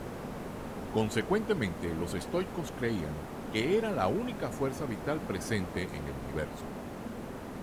Consecuentemente los estoicos creían que era la única fuerza vital presente en el universo.